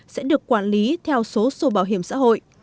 sẽ được quản lý theo số số bảo hiểm xã hội